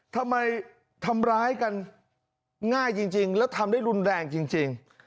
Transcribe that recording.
ทำร้ายกันง่ายจริงแล้วทำได้รุนแรงจริง